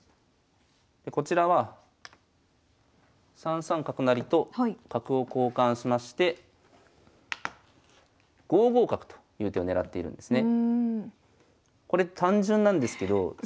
こちらは３三角成と角を交換しまして５五角という手を狙っているんですね。